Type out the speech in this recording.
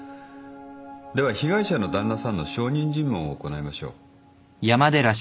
では被害者の旦那さんの証人尋問を行いましょう。